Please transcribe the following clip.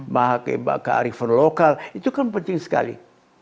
memakai kearifan lokal itu kan penting sekali